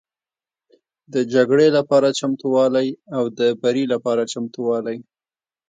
د جګړې لپاره چمتووالی او د بري لپاره چمتووالی